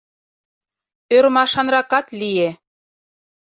Ӧрмашанракат лие.